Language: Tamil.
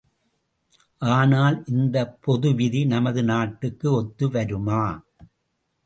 ஆனால், இந்தப் பொதுவிதி நமது நாட்டுக்கு ஒத்து வருமா?